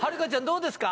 どうですか？